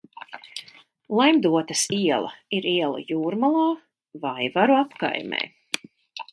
Laimdotas iela ir iela Jūrmalā, Vaivaru apkaimē.